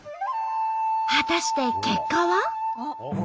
果たして結果は？